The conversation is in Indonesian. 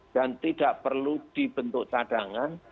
dan tidak perlu dibentuk cadangan